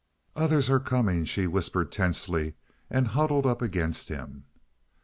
"Others are coming," she whispered tensely and huddled up against him.